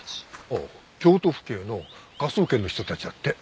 ああ京都府警の科捜研の人たちだって。